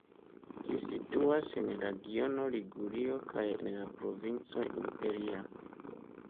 Ĝi situas en la regiono Ligurio kaj en la provinco Imperia.